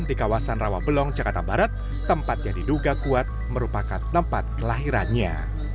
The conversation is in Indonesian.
di kawasan rawabelong jakarta barat tempat yang diduga kuat merupakan tempat kelahirannya